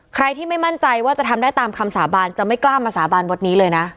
ใครที่ไม่มั่นใจว่าจะทำได้ตามคำสาบานจะไม่กล้ามาสาบานวัดนี้เลยนะ